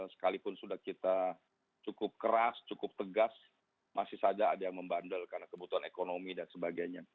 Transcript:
sekalipun sudah kita cukup keras cukup tegas masih saja ada yang membandel karena kebutuhan ekonomi dan sebagainya